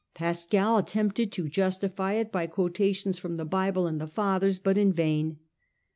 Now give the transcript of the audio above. Pascal attempted to justify it by quotations from the Bible and the Fathers, but in vain.